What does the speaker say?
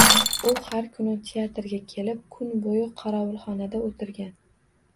U har kuni teatrga kelib, kun boʻyi qorovulxonada oʻtirgan.